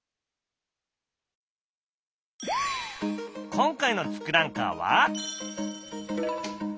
今回の「ツクランカー」は。